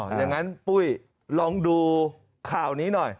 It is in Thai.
อย่างนั้นปุ้ยลองดูข่าวนี้หน่อย